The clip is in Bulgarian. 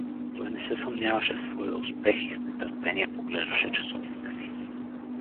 Той не се съмняваше в своя успех и с нетърпение поглеждаше часовника си.